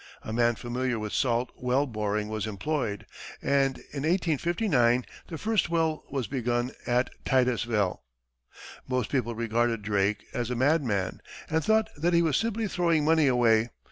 A man familiar with salt well boring was employed, and in 1859 the first well was begun at Titusville. Most people regarded Drake as a madman, and thought that he was simply throwing money away.